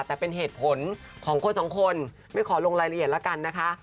แต่เป็นเหตุผลของคนสองคนไม่ขอลงรายละเอียดแล้วกันนะคะ